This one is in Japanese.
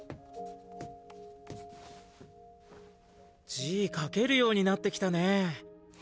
字ィ書けるようになってきたねえ。